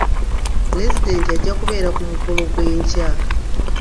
Pulezidenti ajja kubeera ku mukolo gw'enkya.